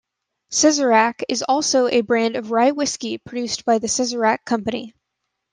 "Sazerac" is also a brand of rye whiskey produced by the Sazerac Company.